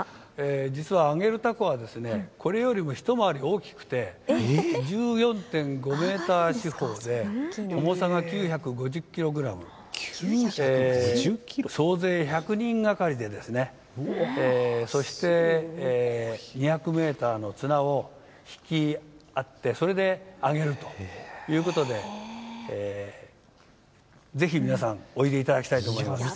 実は揚げるたこはこれよりも一回り大きくて１４．５メートル四方重さ９５０ｋｇ総勢１００人がかりでそして２００メートルの綱を引き合ってそれで揚げるということでぜひ皆さんおいでいただきたいです。